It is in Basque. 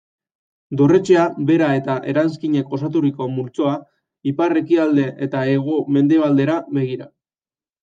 Dorretxea bera eta eranskinek osaturiko multzoa, ipar-ekialde eta hego-mendebaldera begira.